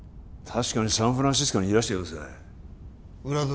確かにサンフランシスコにいらしたようですね